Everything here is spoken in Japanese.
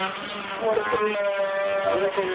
盛れてる。